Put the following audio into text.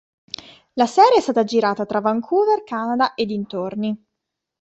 La serie è stata girata tra Vancouver, Canada e dintorni.